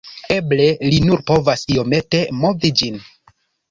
Eble li nur povas iomete movi ĝin